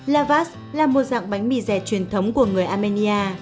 lavash là một dạng bánh mì dẻ truyền thống của người armenia